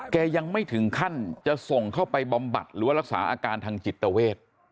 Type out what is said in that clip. แกยังไม่ถึงขั้นจะส่งเข้าไปบำบัดหรือว่ารักษาอาการทางจิตเวท